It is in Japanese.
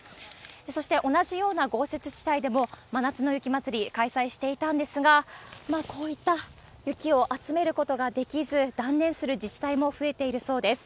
そして、同じような豪雪地帯でも、真夏の雪まつり、開催していたんですが、こういった雪を集めることができず、断念する自治体も増えているそうです。